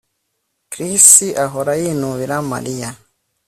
Chris ahora yinubira Mariya